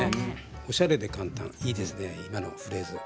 おしゃれで簡単いいですね、今のフレーズ。